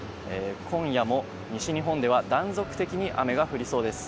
今夜も西日本では断続的に雨が降りそうです。